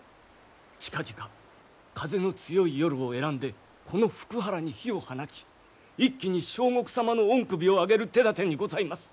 近々風の強い夜を選んでこの福原に火を放ち一気に相国様の御首を挙げる手だてにございます。